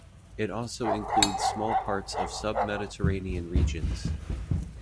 It also includes small part of sub-Mediterranean regions.